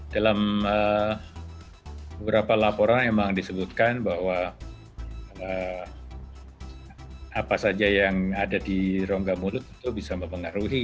dalam beberapa laporan memang disebutkan bahwa apa saja yang ada di rongga mulut itu bisa mempengaruhi